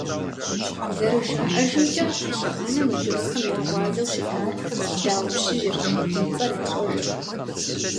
Зэрыжаӏэжымкӏэ, а лъэхъэнэм адыгэхэм я гъуазэу щытар Дау пщыжьырт, и цӏэр ящӏэжыркъым.